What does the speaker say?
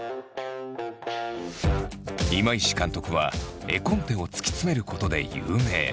今石監督は絵コンテを突き詰めることで有名。